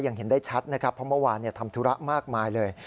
เห็นได้ชัดนะครับเพราะเมื่อวานทำธุระมากมายเลย